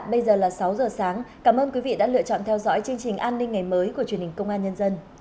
bây giờ là sáu giờ sáng cảm ơn quý vị đã lựa chọn theo dõi chương trình an ninh ngày mới của truyền hình công an nhân dân